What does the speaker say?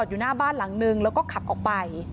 อยู่หน้าบ้านหลังนึงแล้วก็ขับออกไป